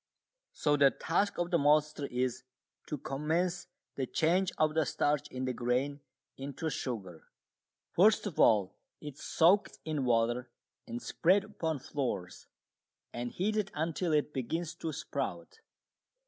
So the task of the maltster is to commence the change of the starch in the grain into sugar. First of all it is soaked in water and spread upon floors and heated until it begins to sprout.